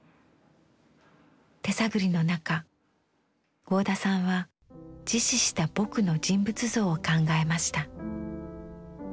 手探りの中合田さんは自死した「ぼく」の人物像を考えました。